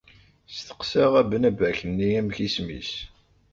Steqsaɣ abnabak-nni amek isem-is.